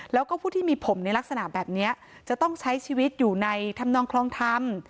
แล้วก็ผู้ที่มีผมในลักษณะแบบนี้จะต้องใช้ชีวิตอยู่ในธรรมนองคลองธรรม